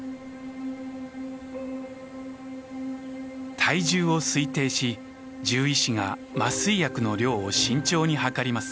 体重を推定し獣医師が麻酔薬の量を慎重にはかります。